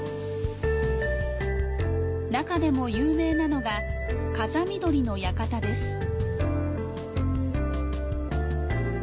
中でも有名なのが風見鶏の館です。